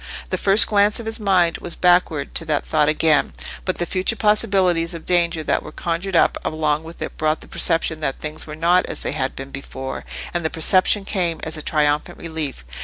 The first glance of his mind was backward to that thought again, but the future possibilities of danger that were conjured up along with it brought the perception that things were not as they had been before, and the perception came as a triumphant relief.